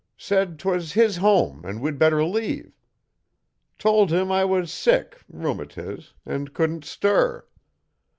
Said 'twas his home an' we'd better leave. Tol him I was sick (rumatiz) an' couldn't stir.